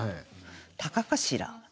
タカかしら？